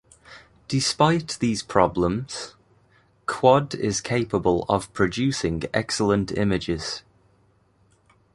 Despite these problems, Quad is capable of producing excellent images.